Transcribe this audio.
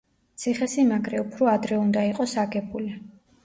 ციხესიმაგრე უფრო ადრე უნდა იყოს აგებული.